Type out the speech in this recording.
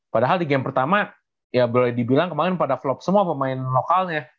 padahal di game pertama ya boleh dibilang kemarin pada vlop semua pemain lokalnya